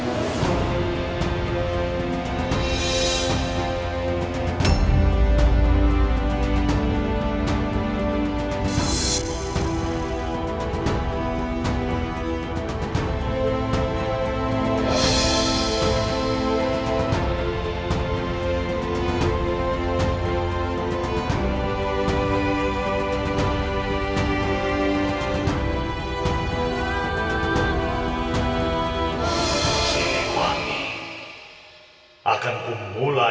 bunda jaga kesehatan bunda